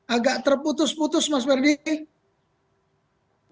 agak terputus putus mas ferdi